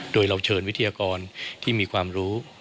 โดยเราเชิญวิทยากรที่มีความรู้